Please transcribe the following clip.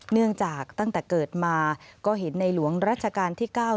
เนื่องจากตั้งแต่เกิดมาก็เห็นในหลวงรัชกาลที่๙